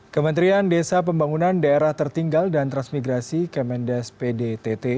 kementerian desa pembangunan daerah tertinggal dan transmigrasi kemendes pdtt